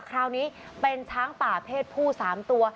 คราวนี้เป็นช้างป่าเพศผู้๓ตัว